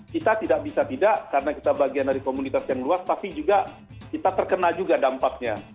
kita tidak bisa tidak karena kita bagian dari komunitas yang luas tapi juga kita terkena juga dampaknya